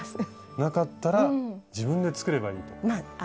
なかったら自分で作ればいいと。